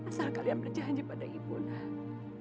asal kalian berjanji pada ibu nana